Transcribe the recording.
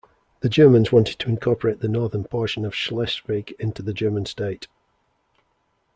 The Germans wanted to incorporate the northern portion of Schleswig into the German state.